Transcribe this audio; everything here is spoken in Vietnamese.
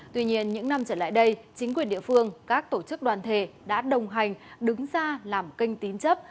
tuy nhiên những năm trở lại đây chính quyền địa phương các tổ chức đoàn thể đã đồng hành đứng ra làm kênh tín chấp